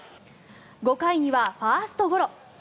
５回にはファーストゴロ。